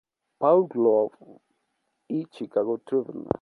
Paul Globe" y "Chicago Tribune".